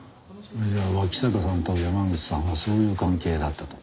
じゃあ脇坂さんと山口さんはそういう関係だったと？